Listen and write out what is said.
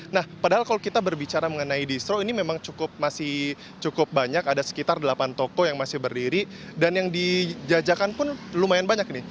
nah padahal kalau kita berbicara mengenai distro ini memang cukup masih cukup banyak ada sekitar delapan toko yang masih berdiri dan yang dijajakan pun lumayan banyak nih